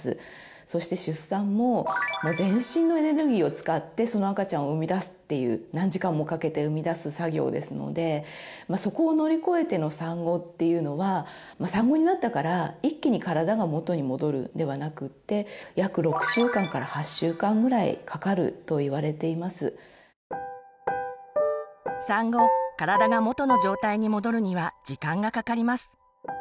そして出産も全身のエネルギーを使ってその赤ちゃんを産み出すっていう何時間もかけて産み出す作業ですのでそこを乗り越えての産後っていうのは産後になったから一気に体が元に戻るではなくって産後体が元の状態に戻るには時間がかかります。